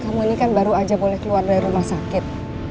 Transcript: kamu ini kan baru aja boleh keluar dari rumah sakit